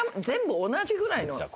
全部同じぐらいの。